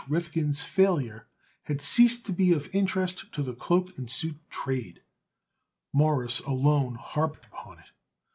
Rifkin's failure had ceased to be of interest to the cloak and suit trade. Morris alone harped upon it.